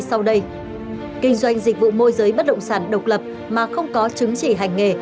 sau đây kinh doanh dịch vụ môi giới bất động sản độc lập mà không có chứng chỉ hành nghề